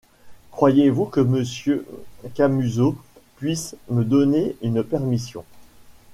Croyez-vous que monsieur Camusot puisse me donner une permission. ..